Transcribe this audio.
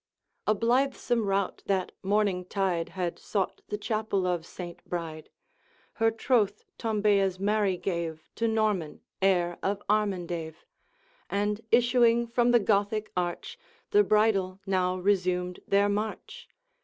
A blithesome rout that morning tide Had sought the chapel of Saint Bride. Her troth Tombea's Mary gave To Norman, heir of Armandave, And, issuing from the Gothic arch, The bridal now resumed their march.